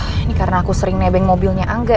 tuh ini karna aku sering nebeng mobilnya